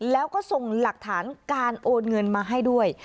แล้วก็ส่งหลักฐานการโอนเงินมาให้ด้วย